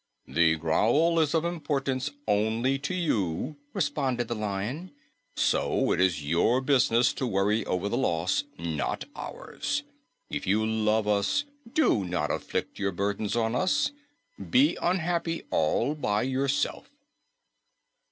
"The growl is of importance only to you," responded the Lion, "so it is your business to worry over the loss, not ours. If you love us, do not afflict your burdens on us; be unhappy all by yourself."